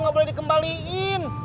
gak boleh dikembaliin